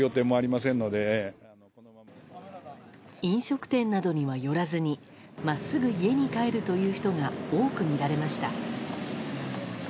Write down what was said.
飲食店などには寄らずに真っすぐ家に帰るという人が多く見られました。